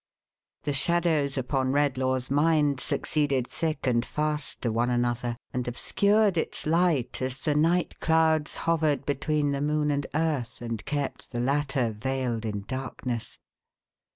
The shadows upon Red law's mind succeeded thick and fast to one another, and obscured its light as the night clouds hovered between the moon and earth, and kept the latter veiled in darkness.